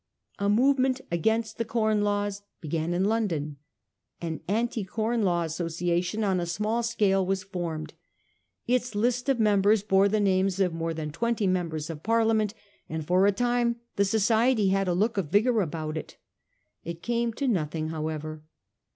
A movement against the Corn Laws began in London. An Anti Corn Law Asso ciation on a small scale was formed. Its list of mem bers bore the names of more than twenty members of Parliament, and for a time the society had a look of vigour about it. It came to nothing, however.